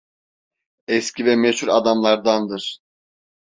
Eski ve meşhur adamlardandır.